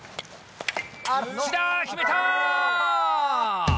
千田決めた！